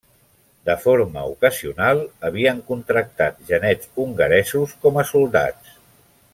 De forma ocasional, havien contractat genets hongaresos com a soldats.